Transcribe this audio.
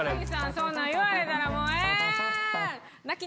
そんなん言われたらもうえーん泣き